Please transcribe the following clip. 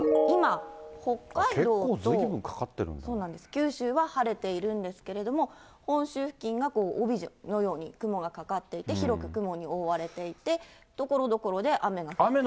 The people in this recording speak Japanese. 九州は晴れているんですけれども、本州付近が帯のように雲がかかっていて、広く雲に覆われていて、ところどころで雨が降っている。